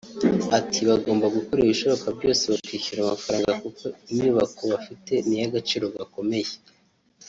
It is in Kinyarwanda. Ati “Bagomba gukora ibishoboka byose bakishyura amafaranga kuko inyubako bafite ni iy’agaciro gakomeye